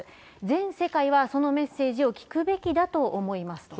全世界は、そのメッセージを聞くべきだと思いますと。